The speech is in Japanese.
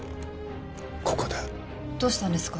ここだどうしたんですか？